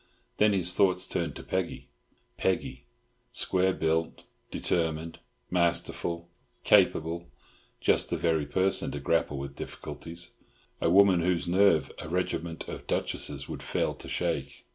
Then his thoughts turned to Peggy—Peggy, square built, determined, masterful, capable; just the very person to grapple with difficulties; a woman whose nerve a regiment of duchesses would fail to shake.